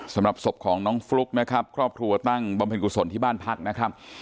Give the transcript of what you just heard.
สำหรับศพของน้องฟลุ๊กนะครับครอบครัวตั้งบำเพ็ญกุศลที่บ้านพักนะครับ